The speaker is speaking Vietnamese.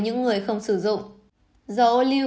những người không sử dụng dầu ô lưu